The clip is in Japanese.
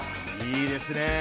いいですねえ。